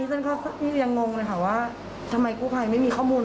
ฉันก็ยังงงเลยค่ะว่าทำไมกู้ภัยไม่มีข้อมูล